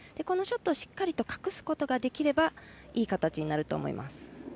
このショットをしっかりと隠すことができればいい形になると思います。